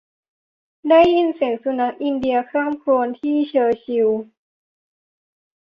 ได้ยินเสียงสุนัขอินเดียคร่ำครวญที่เชอร์ชิลล์